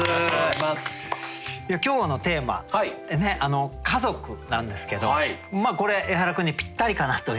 今日のテーマ「家族」なんですけどこれエハラ君にぴったりかなと。